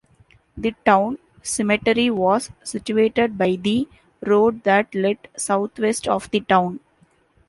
The town cemetery was situated by the road that led southwest of the town.